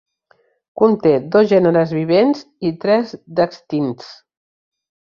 Conté dos gèneres vivents i tres d'extints.